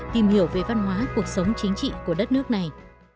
tìm hiểu về văn hóa cuộc sống chính trị của đất nước này